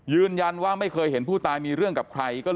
ยืนยันว่าไม่เคยเห็นผู้ตายมีเรื่องกับใคร